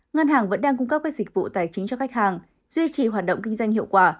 ngân hàng vẫn đang cung cấp các dịch vụ tài chính cho khách hàng duy trì hoạt động kinh doanh hiệu quả